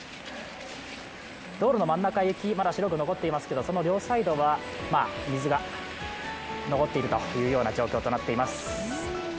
道路の真ん中、雪、まだ白く残っていますけれども、その両サイドは水が残っているという状況になっています。